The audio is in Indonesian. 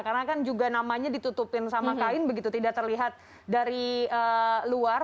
karena kan juga namanya ditutupin sama kain begitu tidak terlihat dari luar